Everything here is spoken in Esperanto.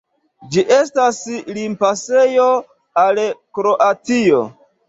Ĝi estas limpasejo al Kroatio.